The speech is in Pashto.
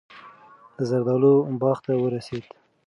د زردالو باغ ته ورسېد.